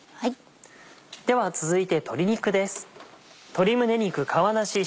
では続いて鶏肉です。